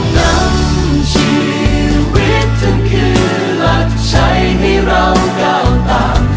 ท่านคือรักชัยให้เรากล้าวตาม